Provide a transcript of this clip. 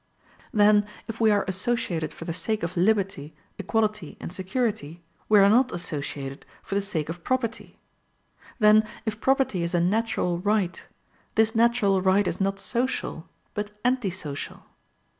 Then if we are associated for the sake of liberty, equality, and security, we are not associated for the sake of property; then if property is a NATURAL right, this natural right is not SOCIAL, but ANTI SOCIAL.